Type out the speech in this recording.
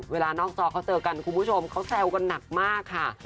เวลานอกจอเขาเจอกันคุณผู้ชมเขาแซวกันหนักมากค่ะ